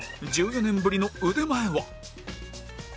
１４年ぶりの腕前は？